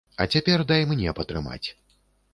А цяпер дай мне патрымаць.